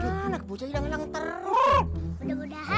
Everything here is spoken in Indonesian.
mudah mudahan jangan nengok